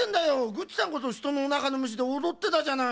グッチさんこそひとのおなかのむしでおどってたじゃない。